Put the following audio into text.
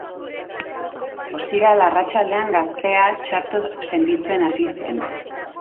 Ostiral arratsaldean gaztea txarto sentitzen hasi zen.